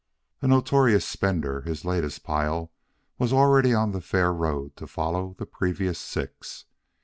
A notorious spender, his latest pile was already on the fair road to follow the previous six.